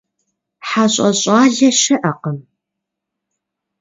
ХьэщӀэ щӀалэ щыӀэкъым.